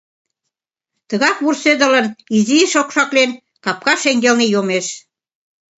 Тыгак вурседылын, изиш окшаклен, капка шеҥгелне йомеш.